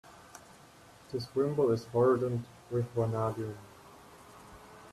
This wimble is hardened with vanadium.